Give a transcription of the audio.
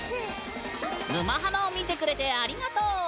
「沼ハマ」を見てくれてありがとう！